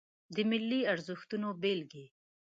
د ملي ارزښتونو بیلګې